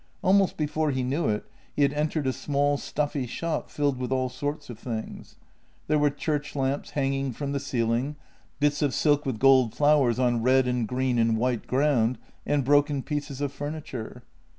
Almost before he knew it, he had entered a small, stuffy shop filled with all sorts of things. There were church lamps hang ing from the ceiling, bits of silk with gold flowers on red and green and white ground, and broken pieces of furniture.